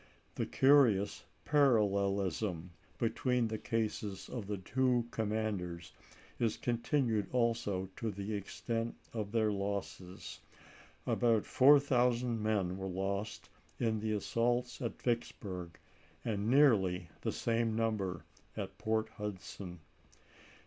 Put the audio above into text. The curious parallelism between the cases of the two commanders is continued also to the extent of their losses: about four thousand men were lost in the assaults at Vicksburg, and nearly the same number at Port Hudson.